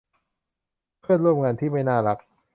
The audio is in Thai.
เพื่อนร่วมงานที่ไม่น่ารัก